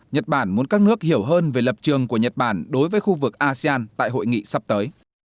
nhật bản muốn các nước hiểu hơn về lập trường của nhật bản đối với khu vực asean tại hội nghị sắp tới